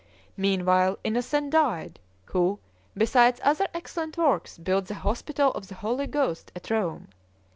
Meanwhile, Innocent died, who, besides other excellent works, built the hospital of the Holy Ghost at Rome.